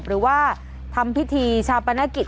หรือว่าทำพิธีชาปนกิจ